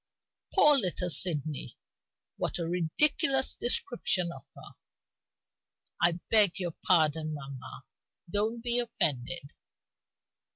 Poor little Sydney, what a ridiculous description of her! I beg your pardon, mamma; don't be offended."